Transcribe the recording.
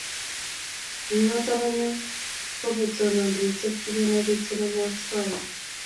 eng' notok anyun ko ketonon ripset si kenai piik che namei asoya